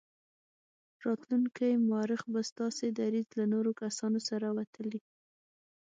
راتلونکی مورخ به ستاسې دریځ له نورو کسانو سره وتلي.